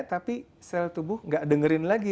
tapi sel tubuh nggak dengerin lagi